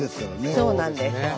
そうなんです。